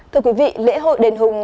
thưa quý vị lễ hội đền hùng